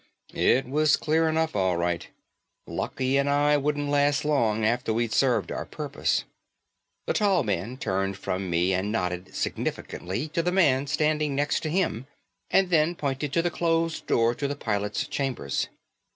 It was clear enough all right. Lucky and I wouldn't last long after we served our purpose. The tall man turned from me and nodded significantly to the man standing next to him and then pointed to the closed door to the pilot's chambers.